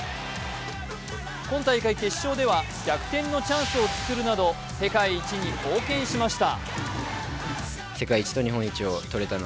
今大会決勝では、逆転のチャンスを作るなど世界一に貢献しました。